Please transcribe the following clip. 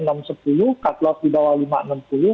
taklos di bawah lima ratus enam puluh